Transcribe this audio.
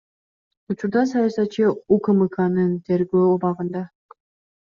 Учурда саясатчы УКМКнын тергөө абагында.